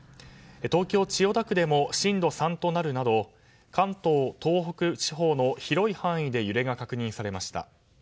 東京・千代田区でも震度３となるなど関東、東北地方の広い範囲で揺れが確認されました。